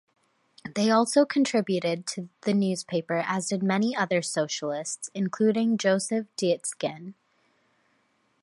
They also contributed to the newspaper as did many other socialists including Joseph Dietzgen.